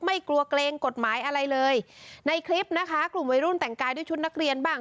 ไม่กลัวเกรงกฎหมายอะไรเลยในคลิปนะคะกลุ่มวัยรุ่นแต่งกายด้วยชุดนักเรียนบ้าง